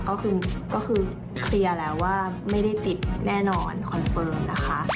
ก็คือเคลียร์แล้วว่าไม่ได้ติดแน่นอนคอนเฟิร์มนะคะ